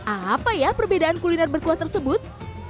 apa ya perbedaan kuliner berkuah tersebut